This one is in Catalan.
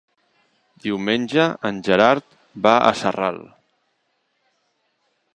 Diumenge en Gerard va a Sarral.